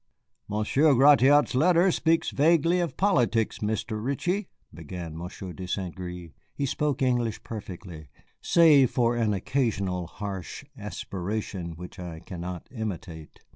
"Monsieur Gratiot's letter speaks vaguely of politics, Mr. Ritchie," began Monsieur de St. Gré. He spoke English perfectly, save for an occasional harsh aspiration which I cannot imitate.